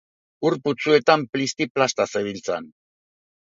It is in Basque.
ur putzuetan plisti-plasta zebiltzan.